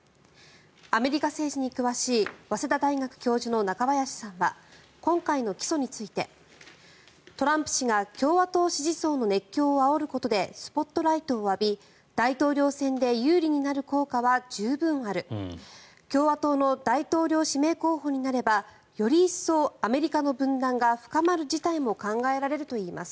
アメリカ政治に詳しい早稲田大学教授の中林さんは今回の起訴についてトランプ氏が共和党支持層の熱狂をあおることでスポットライトを浴び大統領選で有利になる効果は十分ある共和党の大統領指名候補になればより一層アメリカの分断が深まる事態も考えられるといいます。